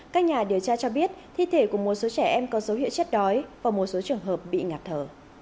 các nhà điều tra cho biết thi thể của một số trẻ em có dấu hiệu chết đói và một số trường hợp bị ngạc thở